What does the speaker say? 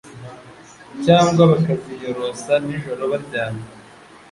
cyangwa bakaziyorosa nijoro baryamye .